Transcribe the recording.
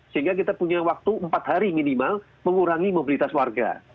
sehingga kita punya waktu empat hari minimal mengurangi mobilitas warga